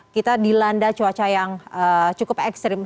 kita dilanda cuaca yang cukup ekstrim